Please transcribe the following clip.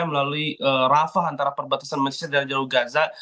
melalui rafah antara perbatasan mesir dan jalur gaza